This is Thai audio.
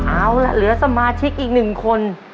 เอาล่ะเหลือสมาชิกอีกหนึ่งคน